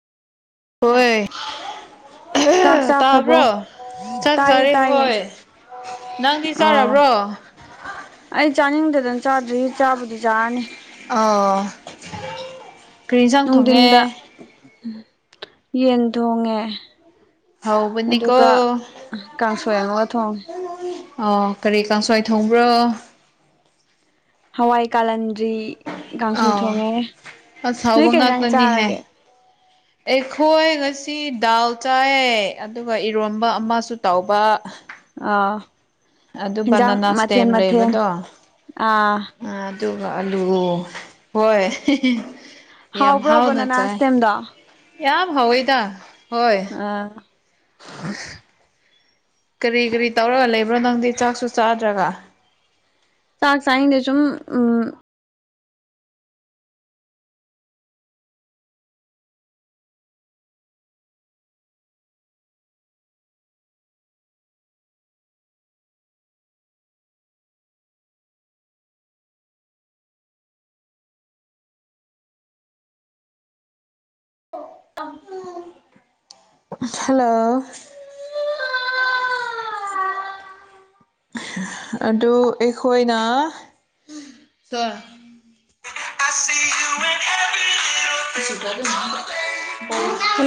[unintelligible] ꯆꯥꯛ [unintelligible] ꯆꯥꯈ꯭ꯔꯕꯣ ꯇꯥꯕ꯭ꯔꯣ ꯆꯥꯛ ꯇꯥꯏꯌꯦ ꯆꯥꯔꯦ ꯇꯥꯏꯌꯦ ꯍꯣꯏ ꯅꯪꯗꯤ ꯑꯣ ꯆꯥꯔꯕ꯭ꯔꯣ ꯑꯩ ꯆꯥꯅꯤꯡꯗꯗꯅ ꯆꯥꯗ꯭ꯔꯤ ꯆꯥꯕꯗꯨ ꯆꯥꯔꯅꯤ ꯑꯣꯥ ꯅꯨꯡꯊꯤꯟꯗ ꯌꯦꯟ ꯊꯣꯡꯉꯦ ꯍꯧꯕꯅꯤꯀꯣ ꯑꯗꯨꯒ ꯀꯥꯡꯁꯣꯏ ꯑꯃꯒ ꯊꯣꯡꯉꯦ ꯑꯣ ꯀꯔꯤ ꯀꯥꯡꯁꯣꯏ ꯊꯧꯕ꯭ꯔꯣ ꯍꯋꯥꯏ ꯀꯥꯂꯟꯗ꯭ꯔꯤ ꯀꯥꯡꯁꯣꯏ ꯑꯥꯎ ꯊꯣꯡꯉꯦ ꯑꯁ ꯅꯣꯏ ꯍꯥꯎꯕ ꯀꯩ ꯏꯟꯖꯥꯡ ꯉꯥꯛꯇꯅꯤꯍꯦ ꯆꯥꯔꯒꯦ [inaudible] ꯑꯩꯈꯣꯏ ꯉꯁꯤ ꯗꯥꯜ ꯆꯥꯏ ꯑꯗꯨꯒ ꯏꯔꯣꯝꯕ ꯑꯃꯁꯨ ꯇꯧꯕ ꯑꯣ ꯑꯗꯨ ꯍꯤꯟꯖꯥꯡ ꯕꯅꯥꯅꯥ ꯃꯊꯦꯜ ꯁ꯭ꯇꯦꯝ ꯃꯊꯦꯜ ꯑ ꯑ ꯑꯗꯨꯒ ꯑꯂꯨ ꯍꯣꯏ ꯌꯥꯝ ꯍꯥꯎꯕ꯭ꯔꯣꯕ ꯅꯅꯥ ꯍꯥꯎꯅꯆꯥꯥꯏ ꯁ꯭ꯇꯦꯝꯗꯣ ꯌꯥꯝ ꯍꯥꯎꯋꯦꯗ ꯍꯣꯏ ꯑ [unintelligible] [inaudible] ꯀꯔꯤ ꯀꯔꯤ ꯇꯧꯔꯒ ꯂꯩꯕ꯭ꯔꯣ ꯅꯪꯗꯤ ꯆꯥꯛꯁꯨ ꯆꯥꯗ꯭ꯔꯒ ꯆꯥꯛ ꯆꯥꯅꯤꯡꯗꯦ ꯁꯨꯝ ꯎꯝ ꯑ [unintelligible] [inaudible] ꯍꯜꯂꯣ ꯑꯗꯨ ꯑꯩꯈꯣꯏꯅ [unintelligible]